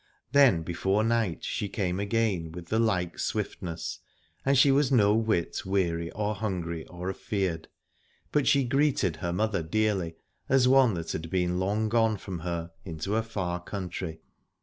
Then before night she came again with the like swift ness, and she was no whit weary or hungry or afeared, but she greeted her mother 63 Aladore dearly as one that had been long gone from her into a far country.